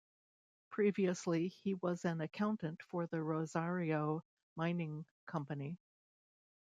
Previously he was an accountant for the Rosario Mining Company.